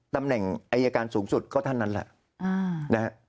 ตำแหน่งอายการสูงสุดก็ท่านนั้นแหละนะฮะ